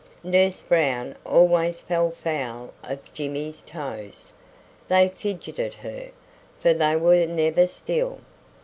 Nurse Brown always fell foul of Jimmy's toes. They fidgeted her, for they were never still.